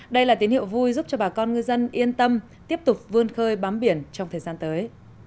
đây là tín hiệu vui giúp cho bà con ngư dân yên tâm tiếp tục vươn khơi bám biển trong thời gian tới